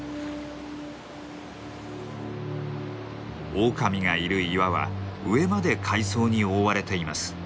オオカミがいる岩は上まで海藻に覆われています。